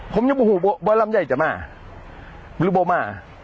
ผมยังไม่รู้ว่ารำใยจะมาหรือบ่มา